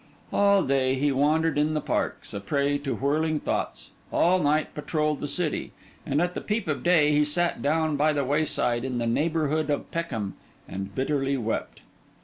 All day, he wandered in the parks, a prey to whirling thoughts; all night, patrolled the city; and at the peep of day he sat down by the wayside in the neighbourhood of Peckham and bitterly wept.